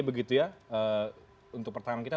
begitu ya untuk pertahanan kita